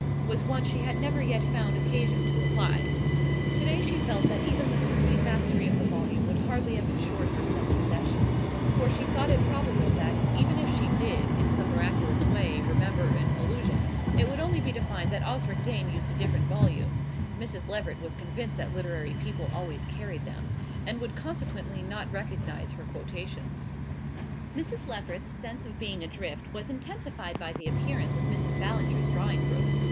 was one she had never yet found occasion to apply. To day she felt that even the complete mastery of the volume would hardly have insured her self possession; for she thought it probable that, even if she did, in some miraculous way, remember an Allusion, it would be only to find that Osric Dane used a different volume (Mrs. Leveret was convinced that literary people always carried them), and would consequently not recognise her quotations. Mrs. Leveret's sense of being adrift was intensified by the appearance of Mrs. Ballinger's drawing room.